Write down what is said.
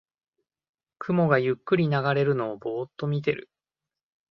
雲がゆっくり流れるのをぼーっと見てる